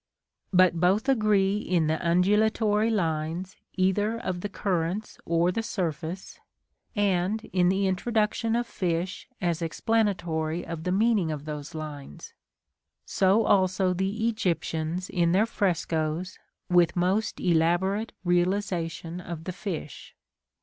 But both agree in the undulatory lines, either of the currents or the surface, and in the introduction of fish as explanatory of the meaning of those lines (so also the Egyptians in their frescoes, with most elaborate realisation of the fish).